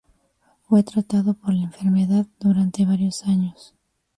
Fue tratado por la enfermedad durante varios meses.